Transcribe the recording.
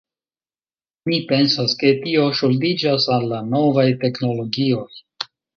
Mi pensas ke tio ŝuldiĝas al la novaj teknologioj.